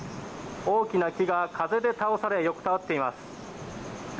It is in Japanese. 大きな木が風で倒され横たわっています。